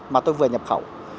mà tôi vừa nhập khẩu